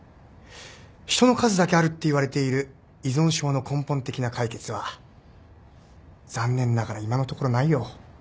人の数だけあるっていわれている依存症の根本的な解決は残念ながら今のところないよ。